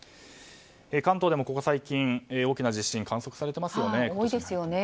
関東でもここ最近大きな地震が観測されていますね。